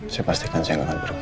saya pastikan saya gak akan pergi